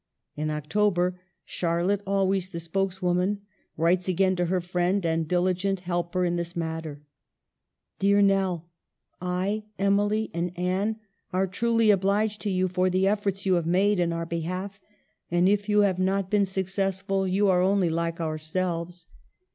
In October Charlotte, always the spokes woman, writes again to her friend and diligent helper in this matter : "Dear Nell, " I, Emily, and Anne are truly obliged to you for the efforts you have made in our behalf ; and if you have not been successful you are only like ourselves.